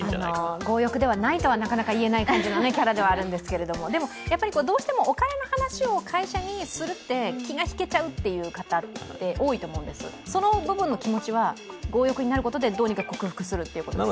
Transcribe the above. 強欲ではないとはなかなか言えない感じのキャラではあるんですがどうしてもお金の話を会社にするって気が引けちゃうという方は多いと思うんです、その部分の気持ちは強欲になることで克服するということですか。